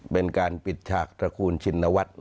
เป็นการปิดฉากตระกูลชินวัฒน์